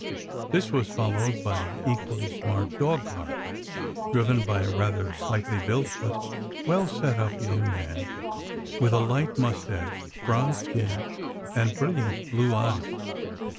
This was followed by an equally smart dog cart driven by a rather slightly built but well set up young man with a light moustache, bronzed skin, and brilliant blue eyes.